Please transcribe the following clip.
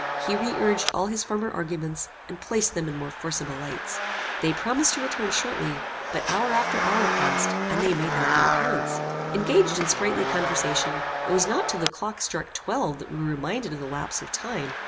He re urged all his former arguments, and placed them in more forcible lights. They promised to return shortly; but hour after hour passed, and they made not their appearance. Engaged in sprightly conversation, it was not till the clock struck twelve that we were reminded of the lapse of time.